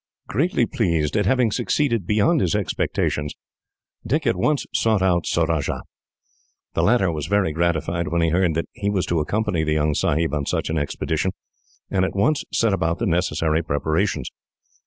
Greatly pleased at having succeeded beyond his expectations, Dick at once sought out Surajah. The latter was very gratified, when he heard that he was to accompany the young Sahib on such an expedition, and at once set about the necessary preparations.